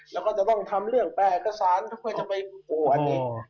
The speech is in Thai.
แล้วก็จะต้องทำเรื่องแปลอักษรทุกคนจะไปปวดอีก